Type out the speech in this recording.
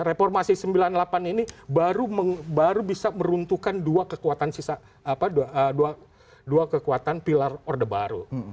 reformasi sembilan puluh delapan ini baru bisa meruntuhkan dua kekuatan sisa dua kekuatan pilar orde baru